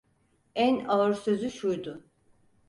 En ağır sözü şuydu: